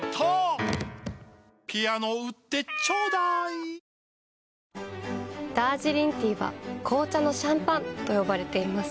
ＷＩＬＫＩＮＳＯＮダージリンティーは紅茶のシャンパンと呼ばれています。